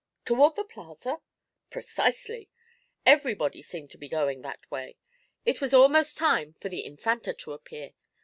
'Toward the Plaza?' 'Precisely. Everybody seemed going that way. It was almost time for the infanta to appear.